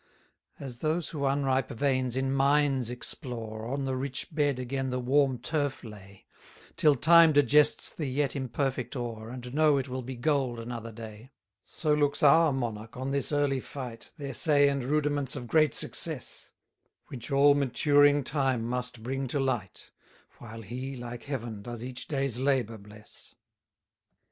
139 As those who unripe veins in mines explore, On the rich bed again the warm turf lay, Till time digests the yet imperfect ore, And know it will be gold another day: 140 So looks our monarch on this early fight, Th' essay and rudiments of great success; Which all maturing time must bring to light, While he, like Heaven, does each day's labour bless.